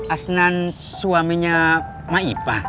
asnan suaminya maipah